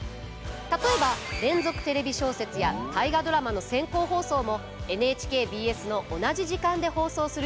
例えば「連続テレビ小説」や「大河ドラマ」の先行放送もＮＨＫＢＳの同じ時間で放送する予定です。